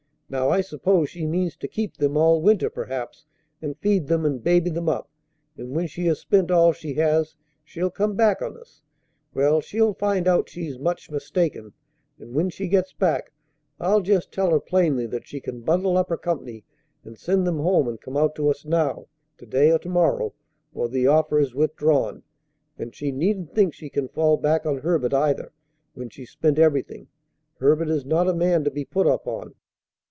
Now, I suppose she means to keep them all winter, perhaps, and feed them, and baby them up; and, when she has spent all she has, she'll come back on us. Well, she'll find out she's much mistaken; and, when she gets back, I'll just tell her plainly that she can bundle up her company and send them home and come out to us now, to day or to morrow, or the offer is withdrawn, and she needn't think she can fall back on Herbert, either, when she's spent everything. Herbert is not a man to be put upon."